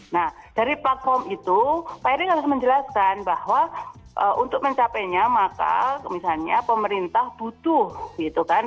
nah dari platform itu pak erik harus menjelaskan bahwa untuk mencapainya maka misalnya pemerintah butuh gitu kan